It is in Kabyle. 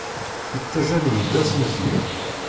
Ittazal mebla asemmezger.